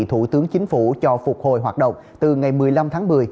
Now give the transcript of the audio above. thủ tướng chính phủ cho phục hồi hoạt động từ ngày một mươi năm tháng một mươi